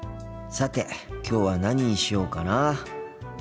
さてきょうは何にしようかなあ。